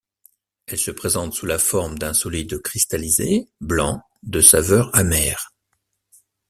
Elle se présente sous la forme d'un solide cristallisé, blanc, de saveur amère.